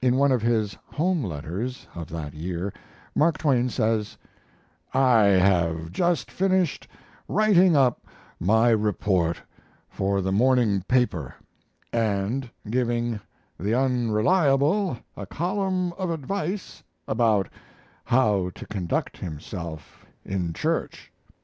In one of his "home" letters of that year Mark Twain says: I have just finished writing up my report for the morning paper and giving The Unreliable a column of advice about how to conduct himself in church.